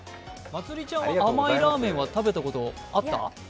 まつりちゃんは甘いラーメン食べたことあった？